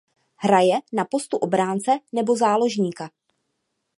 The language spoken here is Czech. Hraje na postu obránce nebo záložníka.